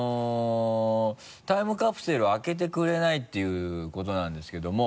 タイムカプセルを開けてくれないていうことなんですけれども。